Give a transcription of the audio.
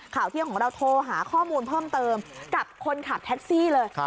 ข่าวเที่ยงของเราโทรหาข้อมูลเพิ่มเติมกับคนขับแท็กซี่เลย